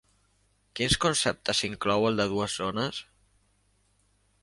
Quins conceptes inclou el de dues zones?